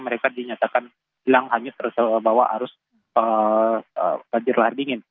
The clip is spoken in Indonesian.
mereka dinyatakan hilang hanya tersebut bahwa arus banjir lelahar dingin